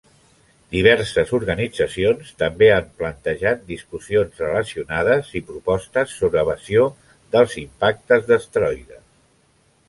Diverses organitzacions també han plantejat discussions relacionades i propostes sobre evasió dels impactes d'asteroides.